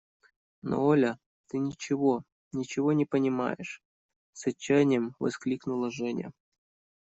– Но, Оля, ты ничего, ничего не понимаешь! – с отчаянием воскликнула Женя.